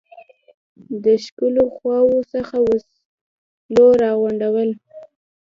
د ښکېلو خواوو څخه وسلو را غونډول.